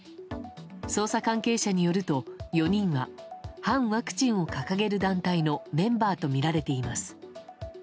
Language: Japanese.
捜査関係者によると４人は反ワクチンを掲げる団体のメンバーとみられています。